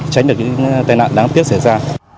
tránh được cái tai nạn đáng tiếc xảy ra